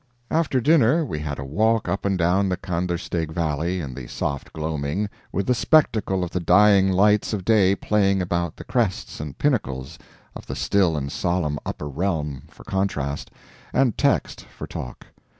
After dinner we had a walk up and down the Kandersteg valley, in the soft gloaming, with the spectacle of the dying lights of day playing about the crests and pinnacles of the still and solemn upper realm for contrast, and text for talk.